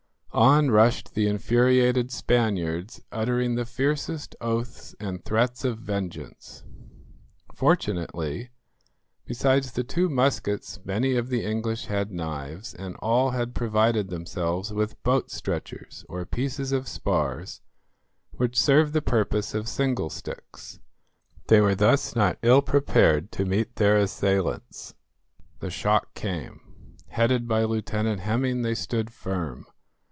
On rushed the infuriated Spaniards, uttering the fiercest oaths and threats of vengeance. Fortunately, besides the two muskets many of the English had knives, and all had provided themselves with boats' stretchers, or pieces of spars, which served the purpose of singlesticks. They were thus not ill prepared to meet their assailants. The shock came. Headed by Lieutenant Hemming they stood firm.